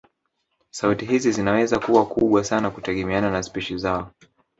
Sauti hizi zinaweza kuwa kubwa sana kutegemeana na spishi zao